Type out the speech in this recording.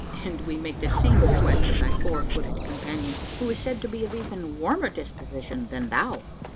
And we make the same request of thy four footed companion, who is said to be of even a warmer disposition than thou."